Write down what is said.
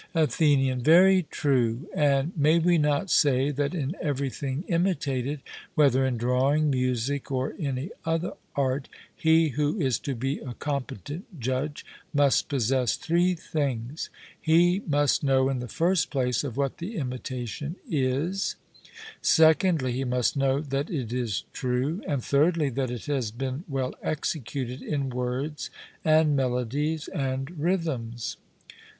ATHENIAN: Very true; and may we not say that in everything imitated, whether in drawing, music, or any other art, he who is to be a competent judge must possess three things; he must know, in the first place, of what the imitation is; secondly, he must know that it is true; and thirdly, that it has been well executed in words and melodies and rhythms?